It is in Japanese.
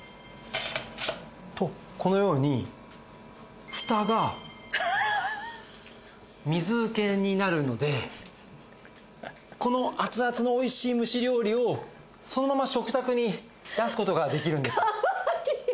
とこのようにフタが水受けになるのでこのアツアツのおいしい蒸し料理をそのまま食卓に出す事ができるんです。